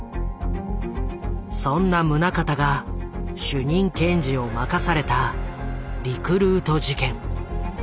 そんな宗像が主任検事を任されたリクルート事件。